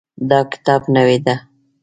د تا کتاب نوی ده